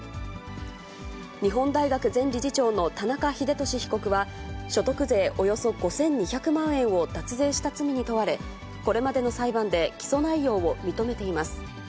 日本大学前理事長の田中英壽被告は、所得税およそ５２００万円を脱税した罪に問われ、これまでの裁判で起訴内容を認めています。